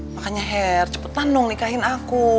makanya hair cepetan dong nikahin aku